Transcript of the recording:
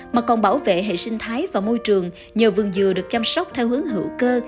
mà còn bảo vệ hệ sinh thái và môi trường nhờ vườn dừa được chăm sóc theo hướng hữu cơ